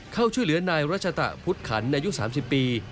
เข้าช่วยเหลือนายรัชตะพุทธขันอายุ๓๐ปี